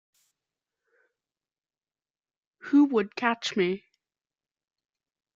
Who would catch me?